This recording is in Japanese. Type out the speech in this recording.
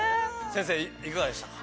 先生いかがでしたか？